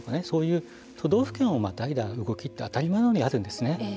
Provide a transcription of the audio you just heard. そういう都道府県をまたいだ動きって当たり前のようにあるんですね。